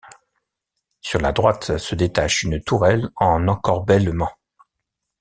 Sur la droite de détache une tourelle en encorbellement.